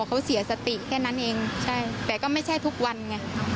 เขาเสียสติแค่นั้นเองใช่แต่ก็ไม่ใช่ทุกวันไง